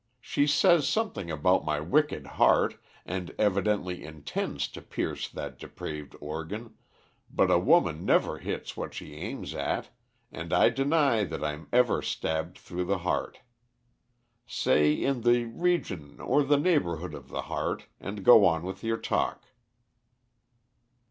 She says something about my wicked heart, and evidently intends to pierce that depraved organ, but a woman never hits what she aims at, and I deny that I'm ever stabbed through the heart. Say in the region or the neighbourhood of the heart, and go on with your talk."